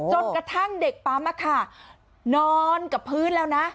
จนกระทั่งเด็กปั๊มนอนกับพื้นแล้วนะ